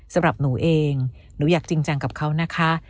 สำหรับหนูเองหนูอยากจริงจังกับเขานะคะ